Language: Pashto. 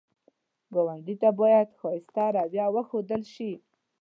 ګاونډي ته باید ښایسته رویه وښودل شي